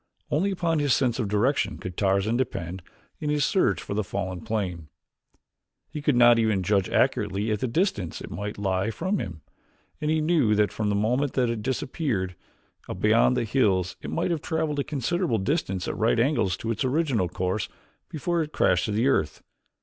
Only upon his sense of direction could Tarzan depend in his search for the fallen plane. He could not even judge accurately as to the distance it might lie from him, and he knew that from the moment that it disappeared beyond the hills it might have traveled a considerable distance at right angles to its original course before it crashed to earth.